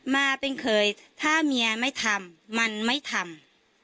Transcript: มาเป็นเคยถ้าเมียไม่ทำมันไม่ทำ